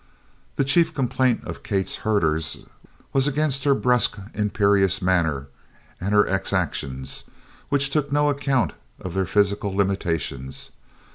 The chief complaint of Kate's herders was against her brusque imperious manner and her exactions, which took no account of their physical limitations.